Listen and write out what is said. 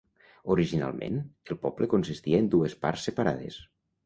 Originalment, el poble consistia en dues parts separades.